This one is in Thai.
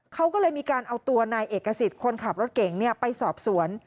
เขาก็เลยมีการเอาตัวนายเอกสิทธิ์คนขับรถเก่งไปสอบสวน